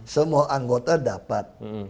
semua anggota dapat